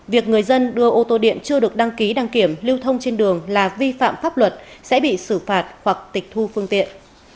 việc người dân đưa ô tô điện chưa được đăng ký đăng kiểm lưu thông trên đường là vi phạm pháp luật sẽ bị xử phạt hoặc tịch thu phương tiện